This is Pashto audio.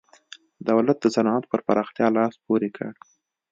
دولت د صنعت پر پراختیا لاس پورې کړ.